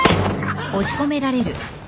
あっ。